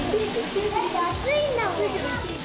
だってあついんだもん。